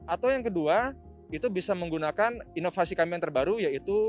atau yang kedua itu bisa menggunakan inovasi kami yang terbaru yaitu